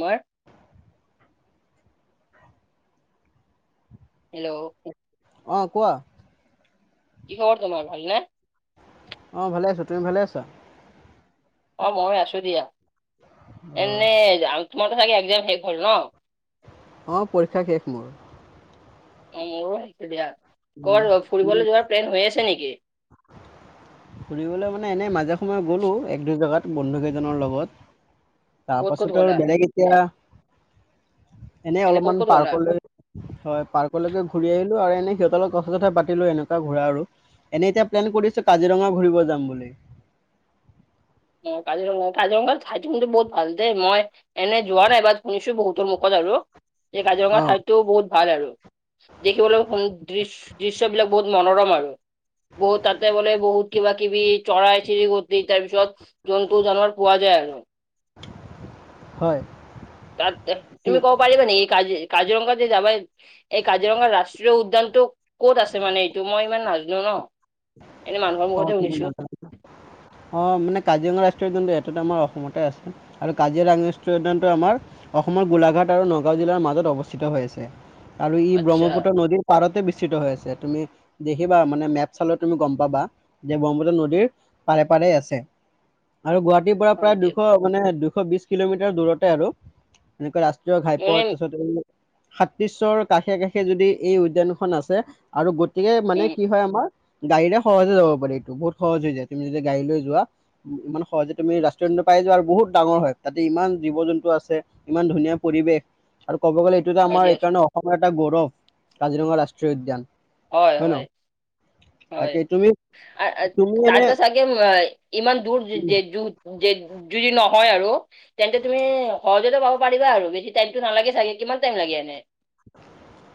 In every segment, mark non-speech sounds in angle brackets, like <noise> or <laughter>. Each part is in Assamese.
মই হেল্ল'। অ কোৱা। কি খবৰ তোমাৰ ভাল নে? অ ভালে আছো তুমি ভালে আছা? অ', মই আছো দিয়া অ এনে তোমাৰটো চাগে এক্সাম শেষ হ'ল ন। অ পৰীক্ষা শেষ মোৰ। অ', মোৰো হৈছে দিয়া উম। কৰ ফুৰিবলৈ যোৱাৰ প্লেন হৈ আছে নেকি ফুৰিবলে মানে এনেই মাজে সময়ে গ'লো এক দুই জেগাত বন্ধু কেইজনৰ লগত তাৰ ক'ত ক'ত পাছতো গ'লা? আৰু বেলেগ এতিয়া। এনেই এনে ক'ত অলপমান ক'ত গ'লা? পাৰ্কলৈ হয় পাৰ্কলৈকে ঘূৰি আহিলো আৰু এনে সিহঁতৰ লগত কথা- চথা পাতিলো এনেকুৱা ঘূৰা আৰু এনে এতিয়া প্লেন কৰিছোঁ কাজিৰঙা ঘূৰিব যাম বুলি। অ' কাজিৰঙা, কাজিৰঙা ঠাইটো কিন্তু বহুত ভাল দেই মই এনে যোৱা নাই বাত শুনিছো বহুতৰ মুখত আৰু এই কাজিৰঙা অ ঠাইতো বহুত ভাল আৰু দেখিবলৈ দৃ দৃশ্যবিলাক বহুত মনোৰম আৰু। বহুত তাতে মানে বহুত কিবা-কিবি চৰাই চিৰিকতি তাৰ পিছত জন্তু-জানৱাৰ পোৱা যায় আৰু। হয়। তাত তুমি ক'ব পাৰিবা নেকি কাজি কাজিৰঙাত এই কাজিৰঙাৰ ৰাষ্ট্ৰীয় উদ্যানতটো ক'ত আছে মানে এইটো মই ইমান নাজনো ন। <inaudible> অ মুখতে শুনিছো অ মানে কাজিৰঙা ৰা <unintelligible> সেইটোতো আমাৰ অসমতে আছে আৰু কাজিৰঙা ৰষ্ট্ৰীয় উদ্যানটো আমাৰ অসমৰ গোলাঘাট আৰু নগাঁও জিলাৰ মাজত অৱস্থিত হৈ আছে আৰু ই আচ্ছা ব্ৰহ্মপুত্ৰ নদীৰ পাৰতে বৃস্তিত হৈ আছে তুমি দেখিবা মানে মেপ চালে তুমি গম পাবা। যে ব্ৰহ্মপুত্ৰ নদীৰ পাৰে পাৰে আছে আৰু গুৱাহাটীৰ পৰা হয় প্ৰায় দিয়ক দুশ মানে দু বিশ কিলোমিটাৰ দূৰত আৰু এনেকে ৰাষ্ট্ৰীয় ঘাইপথ এনে তাৰপাছত সাতিশ্বৰ কাষে কাষে যদি এই উদ্যানখন আছে আৰু গ গতিকে মানে উম কি হয় আমাৰ গাড়ীৰে সহজ যাব পাৰি এইটো বহুত সহজ হৈ যায় তুমি যদি গাড়ী লৈ যোৱা মানে সহজতে তুমি ৰাষ্ট্ৰীয় উদ্যান পাই যোৱা আৰু বহুত ডা ডাঙৰ হয়, তাতে ইমান জীৱ-জন্তু আছে ইমান ধুনীয়া পৰিৱেশ আৰু ক'ব গ'লে এইটোতো হয় আমাৰ দিয়ক এইকাৰণে অসমৰ এটা গৌৰৱ কাজিৰঙা ৰাষ্ট্ৰীয় উদ্যান। হয় হয় হয়। তাকে তুমি তুমি এনে তাতে চাগে ইমান দূৰ যদি নহয় আৰু তেন্তে তুমি স পাৰিবা আৰু বেছি টাইমটো নালাগে চাগে কিমান টাইম লাগে এনে?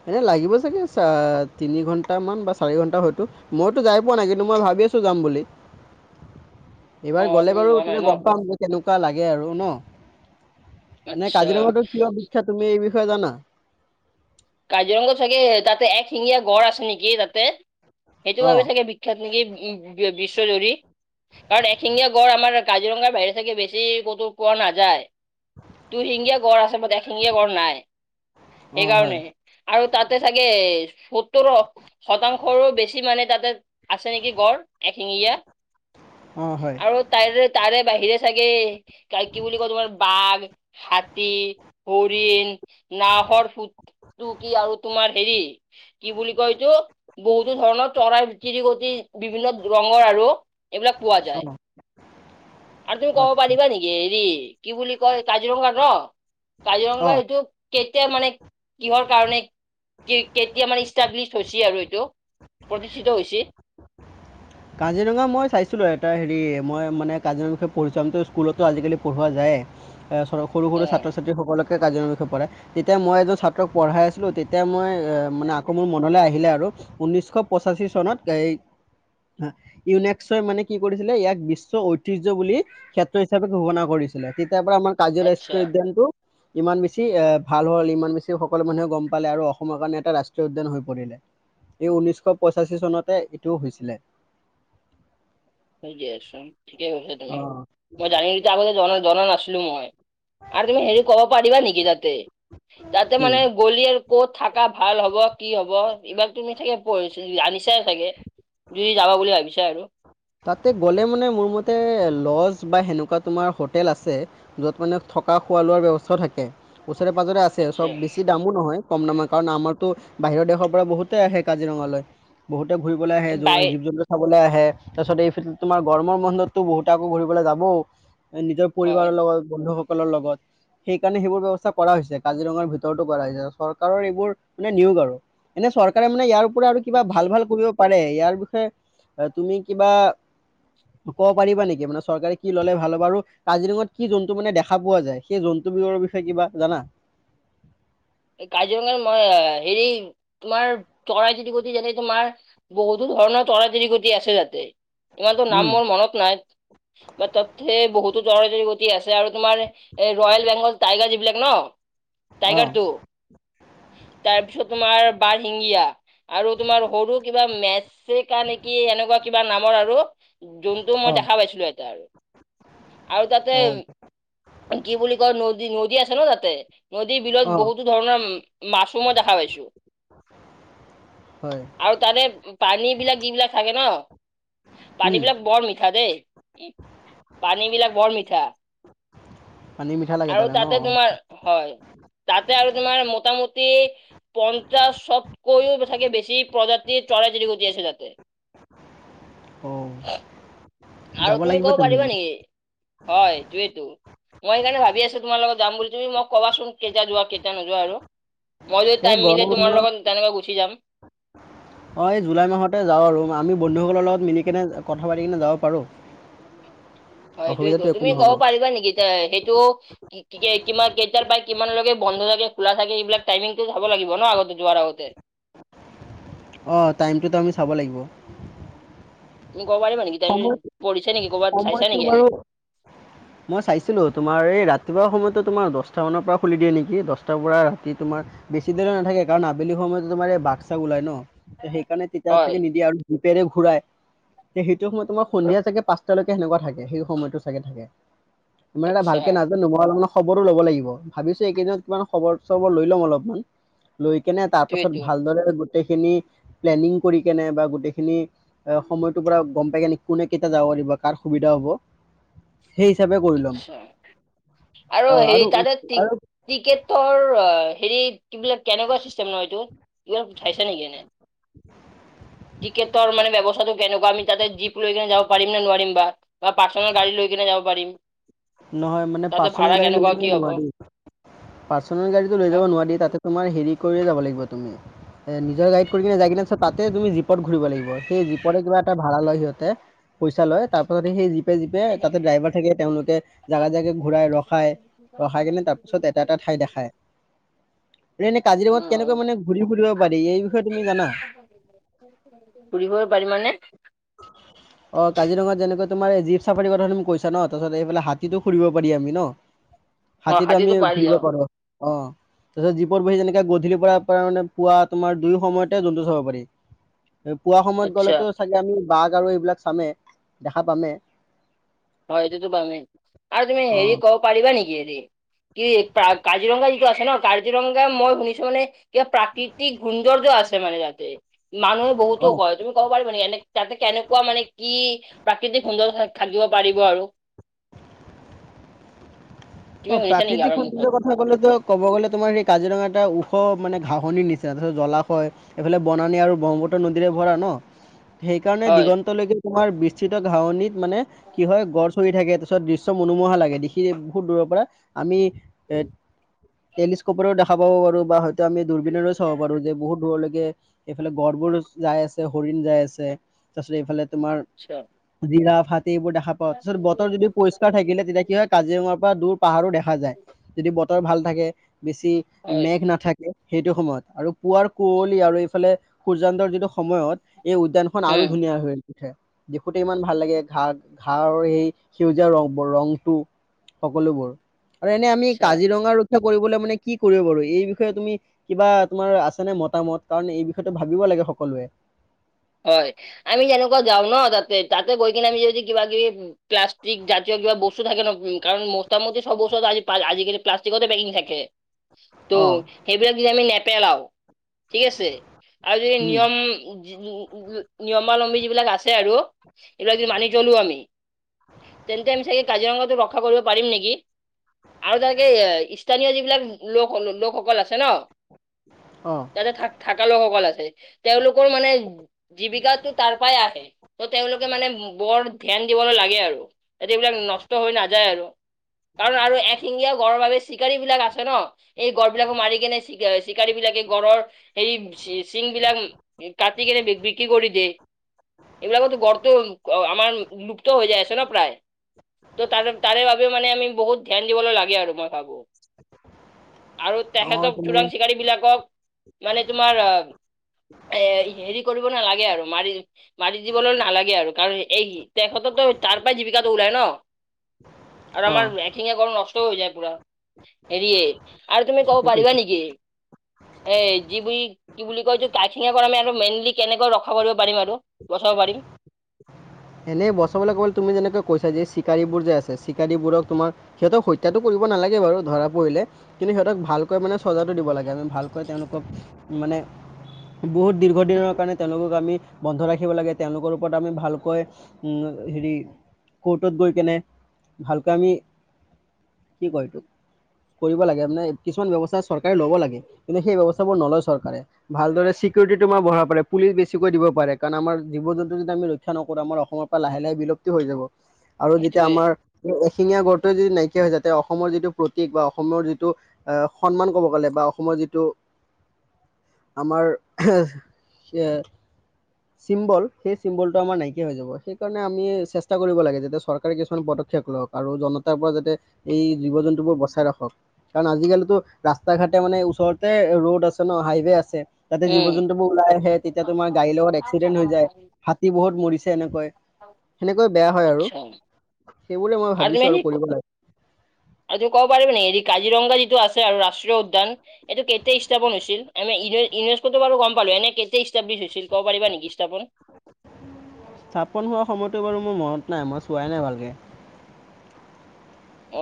এনে লাগিব চাগে চ তিনি ঘন্টামান বা চাৰি ঘন্টা হয়তো মইতো যাই পোৱা নাই কিন্তু মই ভাবি আছো যাম বুলি। <inaudible> অ এইবাৰ গ'লে তুমি বাৰু যোৱা নাই তেতিয়া ন গম পাম যে কেনেকুৱা লাগে আৰু ন? নে আচ্ছা কাজিৰঙাটো কিয় বিখ্যাত তুমি এই বিষয়ে জানা? কাজিৰঙাটো চাগে তাতে এশিঙীয়া গড় আছে নেকি তাতে? সেইটো অঁ বাবে চাগে বিখ্যাত নিকি বিশ্বজুৰি। কাৰণ এশিঙীয়া গড় আমাৰ কাজিৰঙাৰ বাহিৰে চাগে বেছি ক'তো পোৱা নাযায়। দুই শিঙীয়া গঁড় আছে বাত এশিঙীয়া গঁড় নাই অঁ হয় সেইকাৰণে। আৰু তাতে চাগে সত্ৰৰ শতাংশৰো বেছি মানে তাতে আছে নেকি গড় এ শিঙীয়া, অঁ হয় আৰু তাৰে তাৰে বাহিৰে চাগে ক কি বুলি কয় তোমাৰ বাঘ হাতী হৰিণ নাহৰ ফুট ত কি আৰু তোমাৰ হেৰি কি বুলি কৈছো বহুতো ধৰণৰ চৰাইৰ চিৰিকটি বিভিন্ন ৰঙৰ আৰু, এইবিলাক পোৱা যায় অঁ আৰু তুমি ক'ব আচ্ছা পাৰিবা নেকি হেৰি কি বুলি কয় কাজিৰঙা ন কাজিৰঙা অঁ এইটো কেতিয়া মানে, কিহৰ কাৰণে কি কেতিয়া মানে ইষ্টাব্লিছ হৈছে আৰু এইটো। প্ৰতিষ্ঠিত হৈছিল, কাজিৰঙা মই চাইছিলো এটা হেৰি মই মানে কাজিৰঙা বিষয়ে পঢ়িছিলো স্কুলতো আজিকালি পঢ়োৱা যায় সৰু অ সৰু ছাত্ৰ ছাত্ৰীসকলক, কাজিৰঙাৰ বিষয়ে পঢ়ায় তেতিয়া মই এজন ছাত্ৰক পঢ়াই আছিলোঁ তেতিয়া মই মানে আকৌ মোৰ মনলৈ আহিলে আৰু ঊন্নিশ পঁচাশী চনত এ <unintelligible> অ ইউনেক্সই মানে কি কৰিছিলে, ইয়াক বিশ্ব ঐতিহ্য বুলি ক্ষেত্ৰ হিচাপে ঘোষণা কৰিছিলে। তাৰ পৰৰা আমাৰ কাজিৰঙা আচ্ছা ৰাষ্ট্ৰীয় উদ্যানটো। ইমান বেছি ভাল হ'ল ইমান বেছি সকলো মানুহে গম পালে আৰু অসমৰ কাৰণে এটা ৰাষ্ট্ৰীয় উদ্যান হৈ পৰিলে। এই ঊনৈশ পঁচাশী চনতে এইটোও হৈছিলে। বুজি আছো, ঠিকেই হৈছে অ তুমি মই জিতিয়া আগতে জনা নাছিলো মই। আৰু তুমি হেৰি ক'ব পাৰিবা নেকি তাতে তাতে কি মানে গলিয় ক'ত থাকা ভাল হ'ব কি হ'ব, এইবাৰ তুমি চাগেছ আনিছা চাগে যুদি যাবা বুলি ভাবিছা আৰু তাতে গ'লে মানে মোৰ মতে লজ বা সেনেকুৱা তোমাৰ হোটেল আছে য'ত মানে থকা খোৱা লোৱাৰ ব্যৱস্থা থাকে। ওচৰে পাজৰে আছে আচ্ছা চব বেছি দামো নহয়। কম নময় <unintelligible> কাৰণ আমাৰতো বাহিৰৰ দেশৰ পৰা বহুতেই আহে কাজিৰঙালৈ বহুত ত' ঘূৰিবলৈ আহে বাই জীৱ জন্তু চাবলৈ আহে। তাৰ পিছত এই তোমাৰ গৰমৰ বন্ধতো বহুত আকৌ ঘূৰিবলৈ যাব নিজৰ হয় পৰিবাৰৰ লগত বন্ধুসকলৰ লগত। সেইকাৰণে সেইবোৰ ব্যৱস্থা কৰা হৈছে কাজিৰঙাৰ ভিতৰতো কৰা হৈছে চৰকাৰৰ এইবোৰ মানে নিয়োগ আৰু। এনে চৰকাৰে মানে ইয়াৰ পৰা আৰু কিবা আচ্ছা ভাল ভাল কৰিব পাৰে ইয়াৰ বিষয়ে, তুমি কিবা ক'ব পাৰিবা নেকি মানে চৰকাৰে কি ল'লে ভাল হ'ব। আৰু কাজিৰঙাত কি জন্তু মানে দেখা পোৱা যায় সেই জন্তু ডিব্ৰুগড় বিষয়ে কিবা জানা, <unintelligible> এই কাজিৰঙাৰ মই হেৰি, তোমাৰ চৰাই চিৰি কটি যেনে তোমাৰ। বহুতো ধৰণৰ চৰাই চিৰিকটি আছে তাতে, ইমানতো নাম উম মোৰ মনত নাই, তাতে বহুতো চৰাই চিৰকটি আছে আৰু তোমাৰ এই ৰয়েল বেংগল টাইগাৰ যিবিলাক ন অ টাইগাৰ টো <unintelligible> তাৰপিছত তোমাৰ বাৰ শিগিয়া, আৰু তোমাৰ সৰু কিবা মেচকা নেকি এনেকুৱা কিবা নামৰ আৰু যোনটো মই অ দেখা পাইছিলো এতিয়া আৰু <unintelligible> আৰু তাতে অ কি বুলি কয়, নদী নদ নদী আছে ন তাতে নদীৰ বিলত অ বহুতো ধৰণৰ মাছো মই দেখা পাইছো। হয় আৰু তাতে পানী বিলাক যিবিলাক থাকে, ন পানী উম বিলাক বৰ মিঠা দেই। পানী বিলাক বৰ মিঠা, পানী মিঠা লাগে আৰু তাৰে ন তাতে তোমাৰ হয়, তাত আৰু তোমাৰ মোটামুটি পঞ্চাশতকৈও থাকে বেছি প্ৰজাতিৰ চৰাই চৰিকুটি জি আছে তাতে <unintelligible> অ' আৰু যাব তুমি লাগিব ক'ব পাৰিবা তেনেহ'লে নেকি? হয় তয়েইেতো মই সেইকাৰণে ভাবি আছো তোমাৰ লগত যাম বুলি তুমি মোক। কবাচোন কেতিয়া যোৱা কেতিয়া নোযোৱা আৰু? মই যদি এই টাইম গৰম মিলে বন্ধ তোমাৰ লগত তেনেকৈ গুচি যাম। অ এই জুলাই মাহতে যাও আৰু আমি। বন্ধুসকলৰ লগত মিলিকিনে কথা পাতি কিনে যাব পাৰোঁ। হয় এইটোয়টো অসুবিধাটো একো তুমি নহ'ব ক'ব পাৰিবা নেকি এ সেইটো কি কেইটাৰ প কিমানলৈকে। বন্ধ থাকে খোলা থাকে এইবিলাক টাইমিংটো যাব লাগিব ন আগতে যোৱাৰ আগতে। অঁ টাইমটোতো আমি চাব লাগিব তুমি ক'ব পাৰিবা নেকি সময় তুিঢ়িছ নেকি ক'বাত চাইছ সময়টো নেকি এনে বাৰু মই চাইছিলো তোমাৰ এই ৰাতিপুৱা সময়ত তোমাৰ দছটা মানৰ পৰা খুলি দিয়ে নেকি, দছটাৰ পৰা ৰাতি তোমাৰ বেছি দেৰিলৈকে নাথাকে কাৰণ আবেলি সময়তো তোমাৰ এ বাঘ চাক ওলাই ন সেইকাৰণে হয় তেতিয়াকে নিদিয়ে আৰু জোপেৰে ঘূৰাই সেই সিটো সময়ত তোমাৰ সন্ধিয়াাগে পাঁচটালৈকে সেনেকুৱা থাকে সেই সময়তোগে থাকে। তোমাৰ এটা আচ্ছা ভালকে নাজানো <unintelligible> খবৰো ল'ব লাগিব। ভাবিছো এইকেইদিনত কিমান খবৰ চবৰ লৈ লম অলপমান। লৈ কেনে তাৰ পাছত এইটোৱেইটো ভালদৰে গোটেই খিনি পিলেনীগ কৰি কেনে বা গোটে খিনি সময়তো গম পাইগেনিক কোনে কেতিয়া যাব দিব কাৰ সুবিধা হ'ব। সেই হিচাপে কৰি ল'ম আচ্ছা। আৰু হেৰি তাতে টিক আৰু ট্ৰিকেটৰ হেৰি কিবিলাক কেনেকুৱা চিষ্টেম নহয় এইটো, কিয় উঠাইছে নেকি এনে <unintelligible> টিকেটৰ মানে ব্যৱস্থাটো কেনেকুৱা আমি তাতে জীপ লৈ কিনে যাব পাৰিম নে নোৱাৰিম বা। বা পাৰ্চনেল গাড়ী লৈ কিনে যাব পাৰিম। নহয় মানে তাতে পাৰ্চনেল ভাড়া গাড়ী কেনেকুৱা লৈাক কি হ'ব নোৱাৰি পাৰ্চনেল গাড়ীটো লৈ হা যাব নোৱাৰি তাতে তোমাৰ হেৰি কৰিয়ে যাব লাগিব তুমি। এ নিজৰ গাইড কৰি কিনে যাই কিনে চত তাতে তুমি জীপত ঘুৰিব লাগিব, সেই জীপতে কিবা এটা ভাড়া লয় সিহঁতে। পইচা লয় তাৰ পাছত সেই জিপে জিপে তাতে ড্ৰাইভাৰ থাকে তেওঁলোকে জোগা জেগে ঘূৰাই ৰখাই, ৰখাই কিনে তাৰপিছত এটা এটা ঠাই দেখায়। এনেই অ কাজিৰঙাত কেনেকৈ মানে ঘূৰি ফুৰিব পাৰি। এই বিষয়ে তুমি জানা? ফুৰিব পাৰি মানে। অ কাজিৰঙাত যেনেকে তোমাৰ জী চাফাৰী কথা তুম কৈছা ন তাৰপিছত এইালে হাতীটো ফুৰিব। <unintelligible> অ হাতীতো আমি হাতীটো পাৰি ঘূৰিব অ পাৰো অ তাপিছত জীপত বহি যেনেকে গধূলিৰ পৰা ত মানে পুৱা তোমাৰ দুয়ো সময়তে জন্তু চাব পাৰি। পুৱা সময়ত আচ্ছা গ'লেতো চাগে আমি বাঘ আৰু এইবিলাক চামে দেখা পামে। হয় এইটোতো বামে আৰু তুমি অ হেৰি ক'ব পাৰিবা নেকি কি কাজিৰঙা যিটো আছে ন কাজিৰঙা মই শুনিছো মানে কিবা প্ৰাকৃতিক সৌন্দৰ্য আছে মানে যাতে মানুহে বহুতো অ কয় তুমি ক'ব পাৰিবা নে এনে তাতে কেনেকুৱা মানে কি প্ৰাকৃতিক সুন্দৰ থাকিব। পাৰিব আৰু। তুমি অ', শুনিছা নেকি প্ৰাকৃতিক আমাৰ মুখত? সৌন্দৰ্য কথা ক'লেতো ক'ব গ'লে তোমাৰ সেই কাজিৰঙা এটা ওখ মানে, ঘাঁহনিৰ নিচিনা তাৰপিছত জলাশয় এইফালে বনানী আৰু ব্ৰহ্মপত্ৰ নদীৰে নোৱাৰি সেইকাৰণে হয়, দিগন্তে তোমাৰ বিস্ত ঘনিত মানে কি হয় গ <unintelligible> থাকে, তাৰপিছত দৃশ্য মনোমোহা লাগে, দেখি বহুত দূৰ আমি এ টেলিস্কপৰো দেখা পাব পাৰো বা আমি দুৰ্বীনেৰেও চাব পাৰো যে বহুত দূৰলৈকে এইফালে গড়বোৰ যাই আছে হৰিণ যাই আছে তাৰপিছত এইফালে তোমাৰ চিয়ৰ। জিৰা এইবোৰ দেখা পাওঁ তাৰছত বতৰ যদি পৰিষ্কাৰ থাকে তেতিয়া কি হয় কাজিৰঙাৰ পৰা দূৰ দেখা যায় যদি বতৰ ভাল থাকে বেছি হয়, মেঘ নাথাকে সেইটো সময়ত আৰু পুৱাৰ কুঁৱলী আৰু এইফালে সূৰ্যান্তৰ যিটো সময়ত এই উদ্যানখন আৰু উম, ধুনীয়া হয়। উঠে দেখোতে ইমান ভাল লাগে ঘাঁ ঘৰ সেই সেউজীয়া ৰং ৰংটো সকলোবোৰ আৰু এনে আমি আচ্ছা, কাজিৰঙা ৰক্ষা কৰিবলৈ মানে কি কৰিব বাৰু এই বিষয়ে তুমি কিবা তোমাৰ আছে নে মতামত কাৰণ এই বিষয়েটো ভাবিব লাগে সকলোৱে হয় আমি যেনেকুৱা যাওঁ ন তাতে তাতে বৈ কিনে আমি যদি কিবা কিবি প্লাষ্টিক জাতীয় কিবা বস্তু থাকে ন কাৰণ মোটামুটি সব বস্তু আজি আজিকালি প্লাষ্টিকৰ পেকিং থাকে ত' অ', সেইবিলাক যদি আমি নেপেলাও ঠিক আছে আৰু যদি উম নিয়ম নিয়মাৱলম্বী যিবিলাক আছে আৰু এইবিলাক যদি মানি চলো আমি তেন্তে আমি চাগে কাজিৰঙাতো ৰক্ষা কৰিব পাৰিম নেকি আৰু তেনেকে স্থানীয় যিবিলাক লোক লোকসকল আছে ন অ তাতে থ থকা লোকসকল আছে তেওঁলোকৰ মানে জীৱিকাটো তাৰ পৰাই আহে ত তেওঁলোকে মানে বৰ ধ্যান দিব ন লাগে আৰু য এইবিলাক নষ্ট হৈ নাযায় আৰু কাৰণ আৰু এক শিঙীয়া গড়ৰ বাবে চিকাৰী বিলাক আছে ন এই গড় বিলাকো মাৰি কেনে চিকাৰী বিলাক গড়ৰ সেই চিং বিলাক কাটি কেনে বিক্ৰী কৰি দিয়ে এইবিলাকতো গড়টো আমাৰ লুপ্ত হৈ যায় আছে ন প্ৰায় ত' তাৰে তাৰে বাবেও মানে আমি বহুত ধ্যান দিবলৈ লাগে আৰু মই ভাবো আৰু অ তেখেতক তুমি চোৰাং চিকাৰী বিলাকক মানে তোমাৰ এ হেৰি কৰ নালাগে আৰু মাৰি মাৰি দিবলৈ নালাগে আৰু কাৰণ এই তেখেতো তাৰ পৰাই জীৱিকাটো ওলাই ন আৰু অ আমাৰ এঠিঙা গড় নষ্ট হৈ যায় পুৰা হৰিয় আৰু তুমি কব ঠিকে পাৰিবা কৈছা নেকি এ যিিব কি বুলি কয় এই কাখিঙা কৰা আমি আৰু মেইনলি কেনেকৈ ৰখা কৰিব পাৰিম আৰু বচাব পাৰিম এনেই বছৰলৈ ক'লে তুমি যেনেকে কৈছা যে চিকাৰীবোৰ যে আছে চিকাৰীবোৰক তোমাৰ সিহতক হত্যাাতটো কৰি ভালকৈ মানে চজাটো দিব লাগে আমি ভালকৈ তেওঁলোকক মানে বহুত দীৰ্ঘদিনৰ কাৰণে তেওঁলোকক আমি বন্ধ ৰাখিব লাগে তেওঁলোকৰ ওপৰত আমি ভালকৈ উম হেৰি কৰ্টত গৈ কেনে ভালকৈ আমি কি কয় তোক কৰিব লাগে মানে কিছুমান ব্ৱস্থা চৰকাৰে ল'ব লাগে কিন্তু সেই ব্য্ৱস্থাাবোৰ নলয় চৰকাৰে ভালদৰে চিকিউৰিটিটো আমাৰ বঢ়া পুলিচ বেছিকৈ দিব পাৰে কাৰণ আমাৰ জীৱ জন্তু যদি আমি ৰক্ষা নকৰোঁ আমাৰ <unintelligible> পৰা লাহে লাহে বিলুপ্তি হৈ যাব আৰু যেতিয়া সেইটোৱে আমাৰ এশিঙীয়া গড় যদি নাইকিয়া হৈ যায়, তে অসমৰ যিটো প্ৰতীক বা অসমৰ যিটো আহ সন্মান কব গ'লে বা অসমৰ যিটো <inaudible> আমাৰ চিম্বল সেই চিম্বলটো আমাৰ নাইকিয়া হৈ যাব। সেইকাৰণে আমি চেষ্টা কৰিব লাগে যাতে চৰকাৰে কিছুমান পদক্ষেপ লওক আৰু জনতাৰ পৰা যাতে এই জীৱ জন্তুবোৰ বচাই ৰাখক। কাৰণ আজিকালিতো ৰাস্তা ঘাটে মানে ওচৰতে ৰ'ড আছে ন হাইৱে আছে। তাতে জীৱ উম জন্তুবোৰ ওলাই আহে তেতিয়া তোমাৰ গাড়ীৰ লগত এক্সিডেণ্ট হৈ যায়, হাতী বহুত মৰিছে এনেকৈ। সেনেকৈ বেয়া হয় আৰু আচ্ছা সেইবোৰে মই ভাবিছো আৰু কৰিব লাগ এইটো কব পাৰিব নি এইটো কাজিৰঙ যিটো আছে আৰু ৰাষ্ট্ৰীয় উদ্যান এইটো কেতিয়া স্থাপন হৈছিল আমি <unintelligible> ইউনেস্কোটো বাৰু গম পালো, এনে কেতিয়া ইষ্টাব্লিছ হৈছিল কব পাৰিবা নেকি স্থাপন? স্থাপন হোৱা সময়টো বাৰু মোৰ মনত নাই, মই চোৱাই নাই ভালকৈ।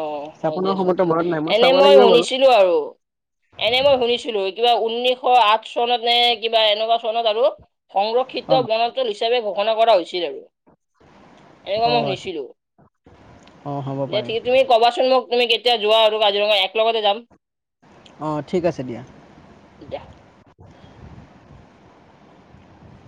অ', হয় দিয়াচোন ঠিক, নাই এনে চাব মই লাগিব বাৰু শুনিছিলো আৰু এনে মই শুনিছিলো কিবা উত ঊনৈশ আঠ চনত নে কিবা এনেকুৱা চনত আৰু সংৰক্ষিত অ বনাঞ্চল হিচাপে ঘ কৰা হৈছিল আৰু এনেকুৱা অ মই শুনিছিলো। অ হ'ব পাৰে ঠিক তুমি ক'বাচোন মোক তুমি কেতিয়া যোৱা আৰু কাজিৰঙা এক লগগতে যাম অ ঠিক আছে দিয়া। তেতিয়া